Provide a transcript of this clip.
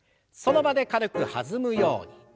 その場で軽く弾むように。